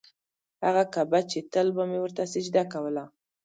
هغه کعبه چې تل به مې ورته سجده کوله.